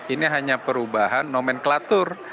ini hanya perubahan nomenklatur